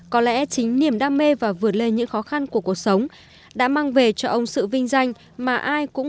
có lẽ chính niềm đam mê và vượt lên những khó khăn của cuộc sống đã mang về cho ông sự vinh danh mà ai cũng